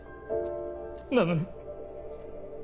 なのに。